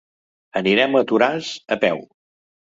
Anirem a Toràs a peu.